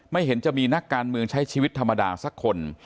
เห็นจะมีนักการเมืองใช้ชีวิตธรรมดาสักคน